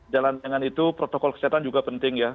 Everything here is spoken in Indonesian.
jalan dengan itu protokol kesehatan juga penting ya